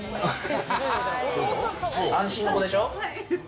安心の子でしょ？